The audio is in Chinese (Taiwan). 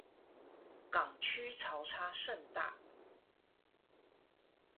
港區潮差甚大